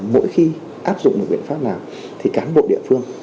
mỗi khi áp dụng được biện pháp nào thì cán bộ địa phương